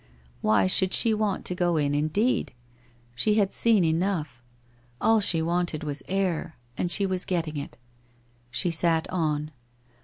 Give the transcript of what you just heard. Why should she want to go in, indeed? She had seen enough. All she wanted was air, and she was getting it. She sat on